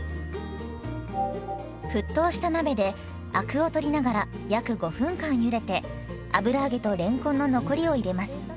沸騰した鍋でアクを取りながら約５分間ゆでて油揚げとれんこんの残りを入れます。